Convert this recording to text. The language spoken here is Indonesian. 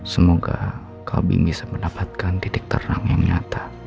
semoga kami bisa mendapatkan titik terang yang nyata